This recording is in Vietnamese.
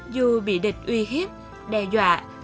dù bị địch uy hiếp đe dọa